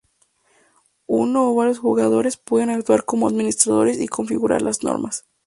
Uno o varios jugadores pueden actuar como administradores y configurar las normas.